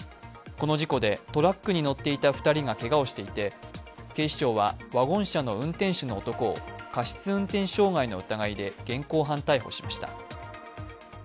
この事故でトラックに乗っていた２人がけがをしていて警視庁はワゴン車の運転手の男を過失運転障害の疑いで現行犯逮捕しました。